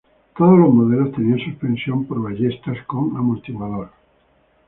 Todos los modelos tenían suspensión por ballestas con amortiguador.